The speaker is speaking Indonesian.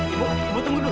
ibu ibu tunggu dulu